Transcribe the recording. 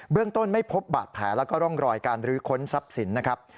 เรื่องต้นไม่พบบาดแผลแล้วก็ร่องรอยการรื้อค้นทรัพย์สินนะครับ